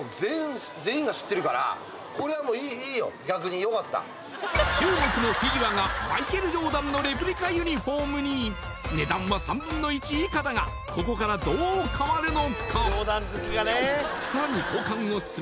これはいいよ逆によかった中国のフィギュアがマイケル・ジョーダンのレプリカユニホームに値段は３分の１以下だがここからどう変わるのか？